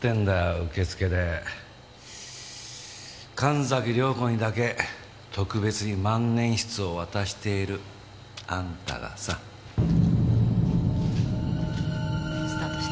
受付で神崎涼子にだけ特別に万年筆を渡しているあんたがさ。スタートして。